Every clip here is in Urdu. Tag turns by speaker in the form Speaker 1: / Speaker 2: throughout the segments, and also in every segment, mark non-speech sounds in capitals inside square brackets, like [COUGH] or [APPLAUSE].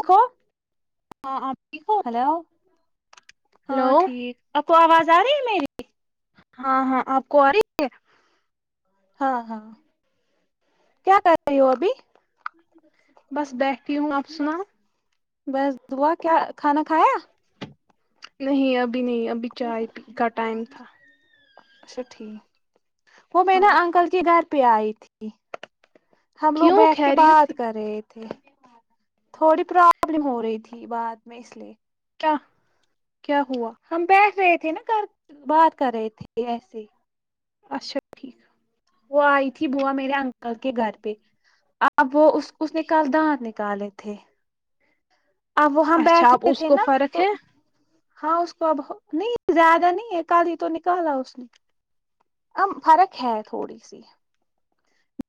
Speaker 1: دکھاؤ
Speaker 2: ہاں آپ ٹھیک ہو
Speaker 1: ہلو ہاں
Speaker 2: ہلو
Speaker 1: ٹھیک آپ کو آواز آ رہی ہے میری
Speaker 2: ہاں ہاں اپ کو اری
Speaker 1: ہاں ہاں کیا کر رہی ہو ابھی
Speaker 2: [INAUDIBLE] بس بیٹھی ہوں آپ سناؤ
Speaker 1: بس دعا کیا کھانا کھایا
Speaker 2: نہیں ابھی نہیں ابھی چائے پی کا ٹائم تھا
Speaker 1: اچھا ٹھیک وہ میں
Speaker 2: ہاں
Speaker 1: نا انکل کے گھر پہ آئی تھی ہم لوگ
Speaker 2: کیوں
Speaker 1: بیٹھ کے
Speaker 2: خیریت
Speaker 1: بات
Speaker 2: تھی
Speaker 1: کر رہے تھوڑی پرابلم ہو رہی تھی بات میں اس لیے
Speaker 2: کیا ہوا
Speaker 1: ہم بیٹھ رہے تھے نا کر بات کر رہے تھے ایسے ہی
Speaker 2: اچھا ٹھیک
Speaker 1: وہ آئی تھی بوا میرے انکل کے گھر پہ اب وہ اس اس نے کل دانت نکالے تھے اب وہ ہم
Speaker 2: اچھا آپ
Speaker 1: بیٹھے
Speaker 2: اس
Speaker 1: تھے
Speaker 2: کو
Speaker 1: نا
Speaker 2: فرق
Speaker 1: تو
Speaker 2: ہے
Speaker 1: ہاں اس کو اب ہو نہیں زیادہ نہیں ہے کل ہی تو نکالا اس نے ام فرق ہے تھوڑی سی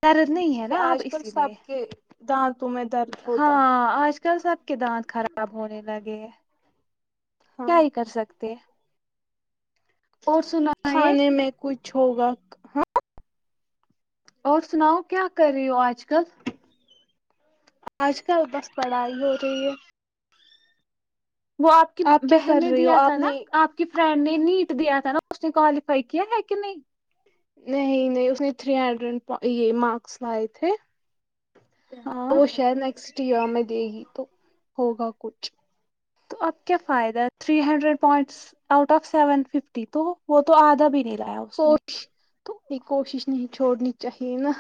Speaker 1: درد نہیں ہے
Speaker 2: ٹھیک
Speaker 1: نا اب
Speaker 2: آج کل
Speaker 1: اسی
Speaker 2: سب
Speaker 1: لیے
Speaker 2: کے دانتوں میں درد ہوتا ہے
Speaker 1: ہاں آج کل سب کے دانت خراب ہونے لگے ہیں کیا
Speaker 2: ہاں
Speaker 1: ہی کر سکتے ہیں اور سناؤ
Speaker 2: کھانے میں کچھ ہوگا
Speaker 1: اور سناؤ کیا کر رہی ہو آج کل
Speaker 2: اج کل بس پڑھائی ہو رہی ہے
Speaker 1: وہ آپ کی
Speaker 2: کیا
Speaker 1: بہن
Speaker 2: کر
Speaker 1: نے
Speaker 2: رہی ہو
Speaker 1: دیا
Speaker 2: آپ
Speaker 1: تھا نا
Speaker 2: نے
Speaker 1: آپ کہ فرینڈ نے نیٹ دیا تھا نا اس نے کالیفائی کیا ہے کہ نہیں
Speaker 2: نہیں نہیں اس نے تھری ہنڈریڈ یہ مارکس لائے تھے
Speaker 1: ہاں
Speaker 2: وہ شاید نیکسٹ ایر میں دے گی تو ہوگا کچھ
Speaker 1: اب کیا فائدہ three hundred points out of seven fifty تو وہ تو آدھا بھی نہیں لایا وہ
Speaker 2: کوٹش نہیں کوشش نہیں چھوڑنی چاہیے نا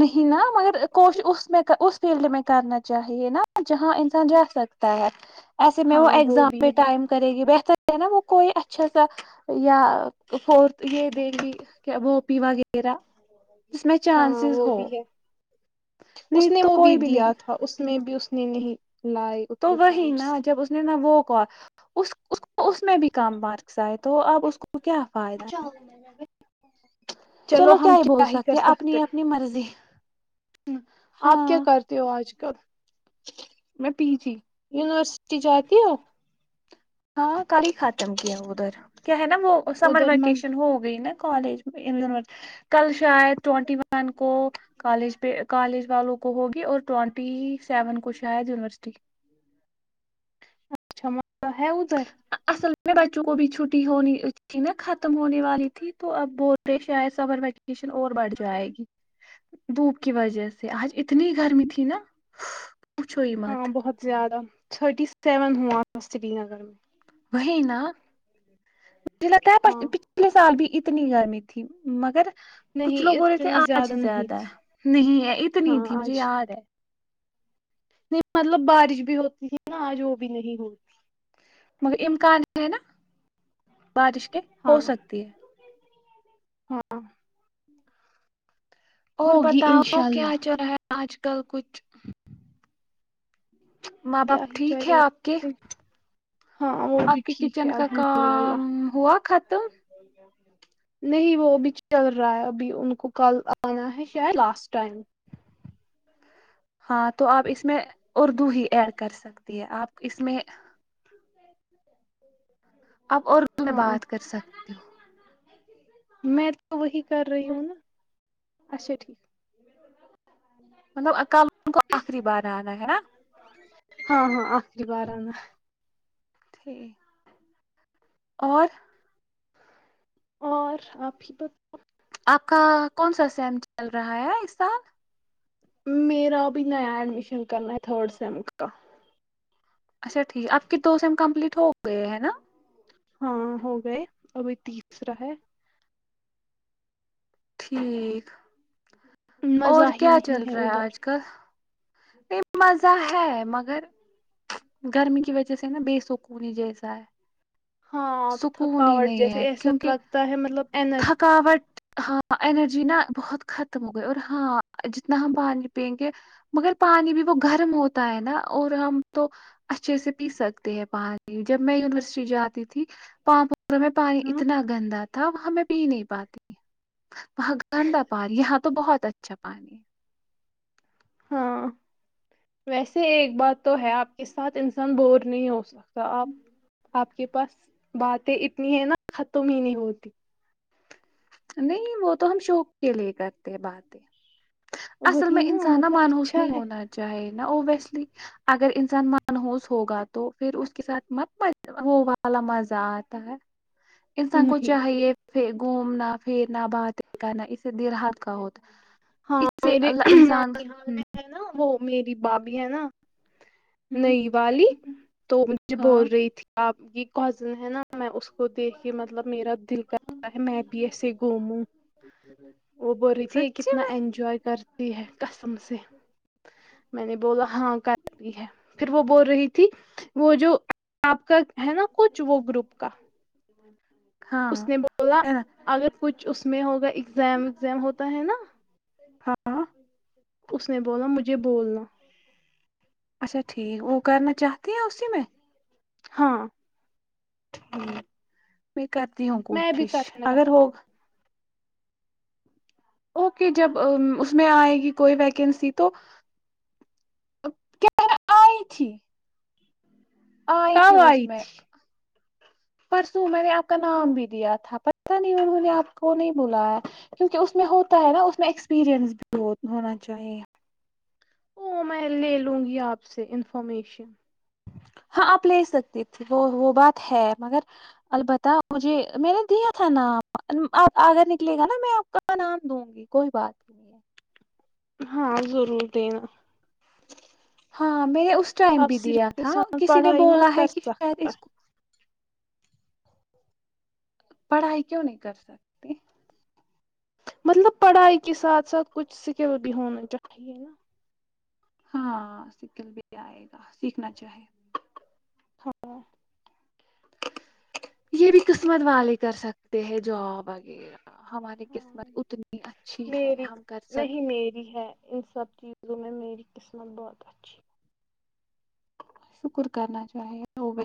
Speaker 1: نہیں نا مگر کوشش اس میں اس فیلڈ میں کرنا چاہیے نا جہاں انسان جاسک تا ہے ایسے میں وہ
Speaker 2: ہاں
Speaker 1: ایگزام
Speaker 2: بھی
Speaker 1: میں
Speaker 2: ہے
Speaker 1: ٹائم کرے گی بہتر ہے نا وہ کوئی اچھا سا یا فورتھ یہ دے گی وہ پیوا میرا اس میں چانس
Speaker 2: ہاں وہ بھی ہے اس
Speaker 1: نیٹ
Speaker 2: نے
Speaker 1: تو
Speaker 2: وہ
Speaker 1: کوئی بھی
Speaker 2: دیا
Speaker 1: نہیں
Speaker 2: تھا اس میں بھی اس نے نہیں لائے
Speaker 1: تو
Speaker 2: اتنے
Speaker 1: وہی نا
Speaker 2: پوائنٹس
Speaker 1: جب اس نے نا وہ کا اس کو اس میں بھی کم مارکس ائے تو اب اس کو کیا فائدہ ہے
Speaker 2: چلنے میں بھی چلو ہم کیا ہی کر سکتے وں آپ کیا
Speaker 1: ہاں
Speaker 2: کر تے ہو آج کل
Speaker 1: میں پی جی
Speaker 2: یونیورسٹی جاتی ہو
Speaker 1: ہاں کل ہی ختم کیا ادھر کیا ہے نا وہ سمر
Speaker 2: ادھر مز
Speaker 1: ویکیشن ہو گئی نا کالج میں انی وان کل شاید ٹوینٹی ون کو کالج پہ کالج والوں کو ہوگی اور ٹوئنٹی سیون کو شاید یونیورسٹی
Speaker 2: اچھا م [UNINTELLIGIBLE] ہے ادھر
Speaker 1: اصل میں بچوں کو بھی چھٹی ہونی تھی نہ ختم ہونے والی تھی تو اب بول کے شاید سمر وکیشن اور بڑھ جائے گی دھوپ کی وجہ سے آج اتنی گرمی تھی نا پوچھو ہی مت
Speaker 2: ہاں بہت زیادہ تھرٹی سیون ہوا سری نگر میں
Speaker 1: وہی نا [UNINTELLIGIBLE]
Speaker 2: ہاں
Speaker 1: پچھلے سال بھی اتنی گرمی تھی مگر کچھ لوگ
Speaker 2: نہیں
Speaker 1: بول رہے تھے
Speaker 2: اتنی
Speaker 1: آج
Speaker 2: نہیں
Speaker 1: زیادہ
Speaker 2: تھی
Speaker 1: ہے نہیں ہے اتنی
Speaker 2: ہاں
Speaker 1: تھی مجھے
Speaker 2: آج
Speaker 1: یاد ہے
Speaker 2: نہیں مطلب بارش بھی ہوتی ہے نا آج وہ بھی نہیں ہوئی
Speaker 1: مگر امکان ہے نا بارش کے ہو سکتی ہے
Speaker 2: ہاں
Speaker 1: اور
Speaker 2: ہوگی
Speaker 1: بتاؤ
Speaker 2: انشاء
Speaker 1: کیا
Speaker 2: اللہ
Speaker 1: چلا ہے آج کل کچھ ماں باپ
Speaker 2: کیا ہی
Speaker 1: ٹھیک ہے
Speaker 2: چلے
Speaker 1: آپ کے
Speaker 2: گا۔ ہاں وہ بھی
Speaker 1: آپ کی
Speaker 2: ٹھیک ہے
Speaker 1: کچن کا
Speaker 2: الحمد للہ
Speaker 1: کام ہوا ختم
Speaker 2: [INAUDIBLE] نہیں وہ ابھی چل رہا ہے ابھی ان کو کل آنا ہے شاید لاسٹ ٹائم
Speaker 1: ہاں تو آپ اس میں اردو ہی ایڈ کر سکتی ہے آپ اس میں آپ اردو
Speaker 2: [UNINTELLIGIBLE]
Speaker 1: میں
Speaker 2: ہاں
Speaker 1: بات کر سکتی ہو
Speaker 2: میں تو وہی کر رہی ہوں نا اچھا ٹھیک
Speaker 1: مطلب کل ان کو آخری بار آنا ہے نا
Speaker 2: ہاں ہاں آخری بار آنا ہے
Speaker 1: ٹھیک اور
Speaker 2: اور آپ ہی ب
Speaker 1: آپ کا کونسا سیم چل رہا ہے اس سال
Speaker 2: میرا ابھی نیا ایڈمیشن کرنا ہے تھرڈ سم کا
Speaker 1: اچھا ٹھیک آپ کے دو سم کمپلیٹ ہو گئے ہیں نا
Speaker 2: ہاں ہو گئے ابھی تیسرا ہے
Speaker 1: ٹھیک اور
Speaker 2: مزہ ہی
Speaker 1: کیا چل
Speaker 2: نہیں
Speaker 1: رہا ہے
Speaker 2: ادھر
Speaker 1: آج کل نہیں مزہ ہے مگر گرمی کی وجہ سے نا بے سکونی جیسا ہے
Speaker 2: ہاں
Speaker 1: سکون ہی
Speaker 2: تھکاوٹ
Speaker 1: نہیں ہے
Speaker 2: جیسے ایسا
Speaker 1: کیونکہ
Speaker 2: لگتا ہے مطلب ا
Speaker 1: تھکاوٹ ہاں انرجی نا بہت ختم ہو گئی اور ہاں جتنا ہم پانی پئیں گے مگر پانی بھی وہ گرم ہوتا ہے نا اور ہم تو اچھے سے پی سکتے ہیں پانی جب میں یونیورسٹی جا تھی پامپور میں پانی
Speaker 2: ہاں
Speaker 1: اتنا گندا تھا ہمیں پی ہی نہیں پاتے تھے وہاں گندا پانی یہاں تو بہت اچھا پانی
Speaker 2: ہاں ویسے ایک بات تو ہے آپ کے ساتھ انسان بور نہیں ہو سکتا آپ آپ کے پاس باتیں اتنی ہے نا ختم ہی نہیں ہوتی
Speaker 1: نہیں وہ تو ہم شوق کے لیے کرتے ہیں باتیں اصل
Speaker 2: وہی
Speaker 1: میں انسان نا
Speaker 2: مطلب
Speaker 1: منحوس
Speaker 2: اچھا
Speaker 1: نہیں
Speaker 2: ہے
Speaker 1: ہونا چاہے نا اور ویسے بھی اگر انسان من ہووس ہوگا تو پھر اس کے ساتھ مت م وہ والا مزہ آتا ہے انسان کو
Speaker 2: نہیں
Speaker 1: چاہیے گھومنا پھرنا باتیں کرنا اس سے دل ہلکا ہوتا
Speaker 2: ہاں
Speaker 1: اس سے
Speaker 2: میرے
Speaker 1: اللہ انسان
Speaker 2: نانی حال میں ہے نا وہ میری بھابی ہے نا
Speaker 1: ہمم
Speaker 2: نئی والی تو مجھے بول
Speaker 1: ہاں
Speaker 2: رہی تھی آپ یہ کزن ہے نا میں اس کو دیکھ کے مطلب میرا دل کرتا ہے میں بھی ایسے گھوموں وہ بول ری تھی کے
Speaker 1: سچی میں
Speaker 2: انجوائے کرتی ہے قسم سے میں نے بولا ہاں کرتی ہے پھر وہ بول رہی تھی وہ جو آپ کا ہے نا کچھ وہ گروپ کا
Speaker 1: ہاں
Speaker 2: اس نے بولا
Speaker 1: ہے نا
Speaker 2: اگر کچھ اس میں ہوگا اگزام وگزام ہوتا ہے نا
Speaker 1: ہاں
Speaker 2: اس نے بولا مجھے بولنا
Speaker 1: اچھا ٹھیک وہ کرنا چاہتی ہیں اسی میں
Speaker 2: ہاں
Speaker 1: ٹھیک میں کرتی ہوں
Speaker 2: میں بھی
Speaker 1: کوشش
Speaker 2: کرنا
Speaker 1: اگر وہ
Speaker 2: چاہتی ہوں
Speaker 1: اوکے جب اس میں آئے گی کوئی ویکینسی تو کیا آئی تھی آئی تھی
Speaker 2: کب
Speaker 1: اس میں
Speaker 2: تھی
Speaker 1: پرسوں میں نے آپ کا نام بھی دیا تھا پتاہ نہیں انہوں نے آپ کو نہیں بلایا کیونکہ اس میں ہوتا ہے نا اس میں ایکسپیرئنس بھی ہونا چاہیے
Speaker 2: او میں لے لوں گی آپ سے انفارمیشن
Speaker 1: ہاں آپ لے سکتے تھے وہ وہ بات ہے مگر البتہ مجھے میں نے دیا تھا نام آپ آگر نکلے گا نا میں آپ کا نام دوں گی کوئی بات نہیں ہے
Speaker 2: ہاں ضرور دینا
Speaker 1: ہاں میں نے اس ٹائم
Speaker 2: آپ
Speaker 1: بھی دیا
Speaker 2: صرف
Speaker 1: تھا
Speaker 2: انسان
Speaker 1: کسی نے
Speaker 2: پڑھائی
Speaker 1: بولا
Speaker 2: مت
Speaker 1: ہے
Speaker 2: کر
Speaker 1: کہ شاید
Speaker 2: سکتا
Speaker 1: اس کو پڑھائی کیوں نہیں کر سک
Speaker 2: مطلب پڑھائی کے ساتھ ساتھ کچھ اسکل بھی ہونا چاہیے نا
Speaker 1: ہاں سکل بھی آئے گا سیکھنا چاہے یہ بھی قسمت والے کر سکتے ہیں جاب وغیرہ ہماری
Speaker 2: ہاں
Speaker 1: قسمت اتنی اچھی ہے
Speaker 2: میری
Speaker 1: ہم کر سکتے
Speaker 2: نہیں میری ہے ان سب چیزوں میں میری قسمت بہت اچھی
Speaker 1: شکر کرنا چاہیے ہوگی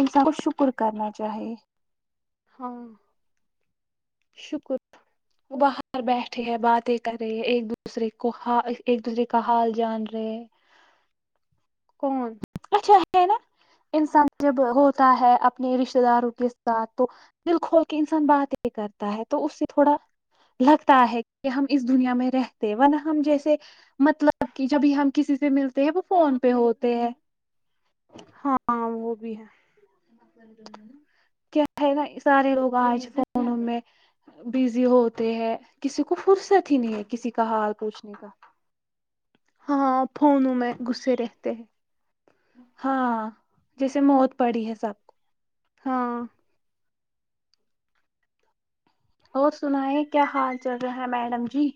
Speaker 1: انسان کو شکر کرنا چاہیے
Speaker 2: ہاں شکر
Speaker 1: وہ باہر بیٹھے ہے باتیں کر رہے ہے ایک دوسرے کو ہ ایک دوسرے کا حال جان رہے ہیں
Speaker 2: کون
Speaker 1: اچھا ہے نا انسان جب ہوتا ہے اپنے رشتے داروں کے ساتھ تو دل کھول کے انسان باتیں کرتا ہے تو اس سے تھوڑا لگتا ہے کہ ہم اس دنیا میں رہتے ورنہ ہم جیسے مطلب جب کہ جبھی ہم کسی سے ملتے ہیں وہ فون پہ ہوتے ہیں
Speaker 2: ہاں وہ بھی ہے
Speaker 1: کیا ہے نا سارے لوگ آج فونوں میں بزی ہوتے ہیں کسی کو فرصت ہی نہیں ہے کسی کا حال پوچھنے کا
Speaker 2: ہاں فونوں میں گسے رہتے ہیں
Speaker 1: ہاں جیسے موت پڑی ہے سب
Speaker 2: ہاں
Speaker 1: اور سنایں کیا حال چل رہا ہے میڈم جی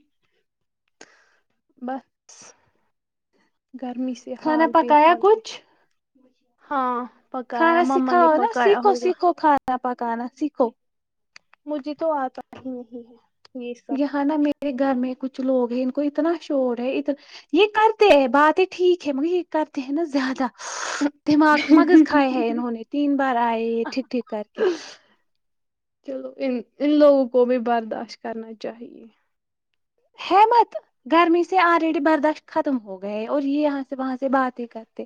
Speaker 2: بتس گرمی سے
Speaker 1: کھانا
Speaker 2: حال بے
Speaker 1: پکایا
Speaker 2: حال ہے
Speaker 1: کچھ
Speaker 2: ہاں پکایا
Speaker 1: کھانا
Speaker 2: مما نے
Speaker 1: سکھاؤ نا
Speaker 2: پکایا
Speaker 1: سیکھو
Speaker 2: ہوگا
Speaker 1: سیکھو کھانا پکانا سیکھو
Speaker 2: مجھے تو آتا ہی نہیں ہے یہ سب
Speaker 1: یہاں نا میرے گھر میں کچھ لوگ ہیں ان کو اتنا شوق ہے ات یہ کرتے ہیں باتیں ٹھیک ہے مگر یہ کرتے ہیں نا زیادہ دماغ مغز کھائے ہے انہوں نے تین بار آئے یہ ٹھی ٹھی کر کے
Speaker 2: چلو ان ان لوگوں کو بھی برداشت کرنا چاہیے
Speaker 1: ہے مت گرمی سے آلریڈی برداشت ختم ہو گئے اور یہ یہاں سے وہاں سے باتیں کرتے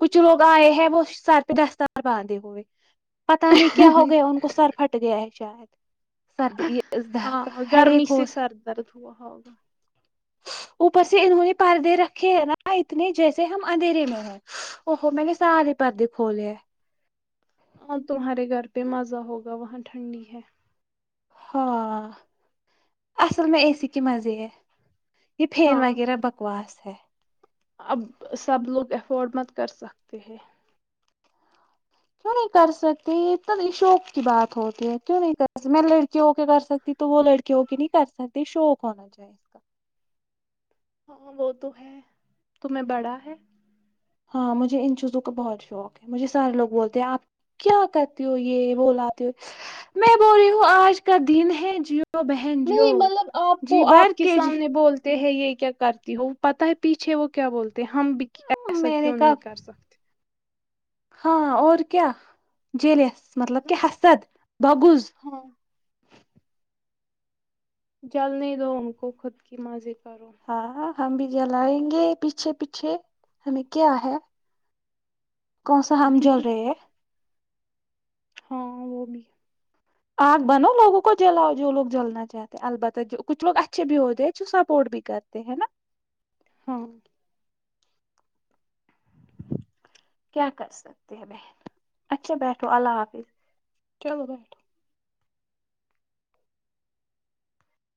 Speaker 1: کچھ لوگ آئے ہیں وہ سر پہ دستار باندھے ہوئے پتا نہیں کیا ہو گیا ان کو سر پھٹ گیا ہے شاید سردی یہ
Speaker 2: ہاں
Speaker 1: د
Speaker 2: گرمی سے
Speaker 1: ہڑیور
Speaker 2: سر درد ہوا ہوگا
Speaker 1: اوپر سے انہوں نے پردے رکھے ہیں نا اتنے جیسے ہم اندھیرے میں ہوں او ہو میں نے سارے پردے کھولے ہیں
Speaker 2: ہاں تمہارے گھر پہ مزہ ہوگا وہاں ٹھنڈی ہے
Speaker 1: ہاں اصل میں اے سی کی مزے ہے یہ فین
Speaker 2: ہاں
Speaker 1: وغیرہ بک واس ہے
Speaker 2: اب سب لوگ افورڈ مت کر سکتے ہیں
Speaker 1: کیوں نہیں کر سکتے اتنا شوق کی بات ہوتی ہے کیوں نہیں کر سک میں لڑکی ہو کے کر سکتی تو وہ لڑکی ہو کے نہیں کر ستے شوق ہونا چاہیے اس کا
Speaker 2: ہاں وہ تو ہے تمہیں بڑا ہے
Speaker 1: ہاں مجھے ان چیزوں کا بہت شوق ا وکے مجھے سارے لوگ بولتے ہیں آپ کیا کرتے ہو یہ وہ لاتے ہو میں بول رہی ہوں آج کا دن ہے جیو بہن جیو
Speaker 2: نہیں مطلب آپ کو
Speaker 1: جی بھر
Speaker 2: آپ کے
Speaker 1: جی
Speaker 2: سامنے بول تے ہے یہ کیا کرتی ہو پتہ ہے پیچھے وہ کیا بولتے ہم ایسا
Speaker 1: میں نے
Speaker 2: کیوں
Speaker 1: کہا
Speaker 2: نہیں کر سکتے
Speaker 1: ہاں اور کیا جلیس
Speaker 2: وہ
Speaker 1: مطلب
Speaker 2: نا۔
Speaker 1: کہ حسد بغز
Speaker 2: ہاں جلنے دو ان کو خود کی مزے کرو
Speaker 1: ہاں ہاں ہم بھی جلائیں گے پیچھے پیچھے ہمیں کیا ہے کون سا ہم جل رہے ہے
Speaker 2: ہاں وہ بھی
Speaker 1: آگ بنو لوگوں کو جلاؤ جو لوگ جلنا چاہے البتہ جو کچھ لوگ اچھے بھی ہوتے ہیں جو سپورٹ بھی کرتے ہے نا
Speaker 2: ہاں
Speaker 1: کیا کر سکتے ہیں بہن اچھا بیٹھو اللہ حافظ
Speaker 2: چلو بیٹھو